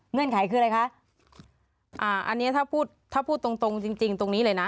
ไขคืออะไรคะอ่าอันนี้ถ้าพูดถ้าพูดตรงตรงจริงจริงตรงนี้เลยนะ